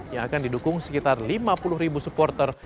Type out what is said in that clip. yang akan didukung sekitar lima puluh ribu supporter